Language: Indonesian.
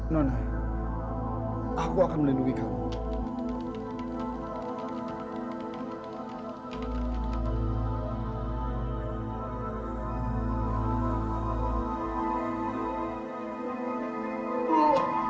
nonai aku akan melindungi kamu